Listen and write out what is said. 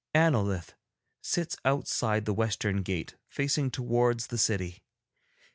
Annolith sits outside the western gate facing towards the city.